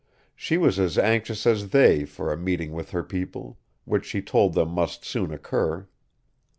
She was as anxious as they for a meeting with her people, which she told them must soon occur.